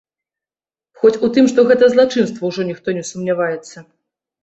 Хоць у тым, што гэта злачынства, ужо ніхто не сумняваецца.